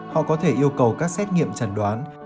họ có thể yêu cầu các xét nghiệm chẩn đoán